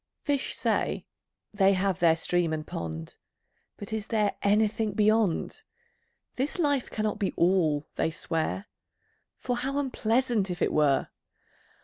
Fish say, they have their Stream and Pond; But is there anything Beyond? This life cannot be All, they swear, For how unpleasant, if it were!